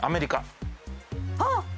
あっ！